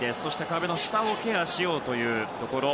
壁の下をケアしようというところ。